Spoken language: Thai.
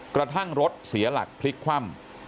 กระทั่งรถเสียหลักพลิกคว่ำ